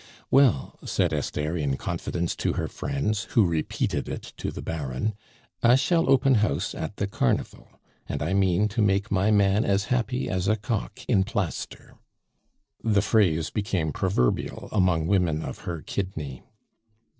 "Well," said Esther in confidence to her friends, who repeated it to the Baron, "I shall open house at the Carnival, and I mean to make my man as happy as a cock in plaster." The phrase became proverbial among women of her kidney.